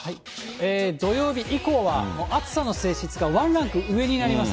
土曜日以降は暑さの性質がワンランク上になります。